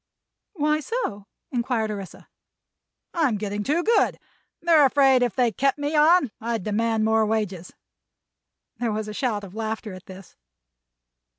"Why so?" inquired Orissa. "I'm getting too good. They're afraid if they kept me on I'd demand more wages." There was a shout of laughter at this.